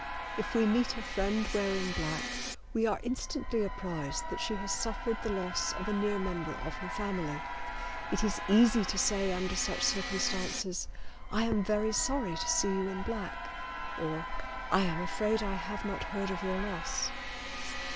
If we meet a friend wearing black we are instantly apprised that she has suffered the loss of a near member of her family. It is easy to say under such circumstances, "I am very sorry to see you in black," or "I am afraid I have not heard of your loss."